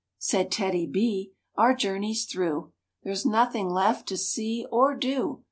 Said TEDDY—B, "Our journey's through; There's nothing left to see or do.